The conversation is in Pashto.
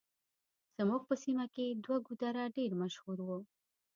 زموږ په سيمه کې دوه ګودره ډېر مشهور وو.